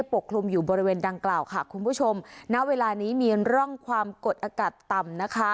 กลุ่มอยู่บริเวณดังกล่าวค่ะคุณผู้ชมณเวลานี้มีร่องความกดอากาศต่ำนะคะ